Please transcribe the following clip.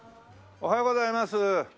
おはようございます。